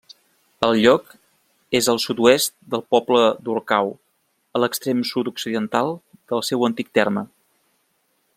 El lloc és al sud-oest del poble d'Orcau, a l'extrem sud-occidental del seu antic terme.